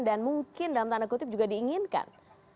dan mungkin dalam tanda kutip juga diinginkan